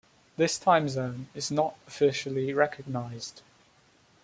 This time zone is not officially recognised.